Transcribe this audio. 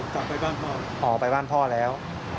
กลับไปบ้านพ่อออกไปบ้านพ่อแล้ว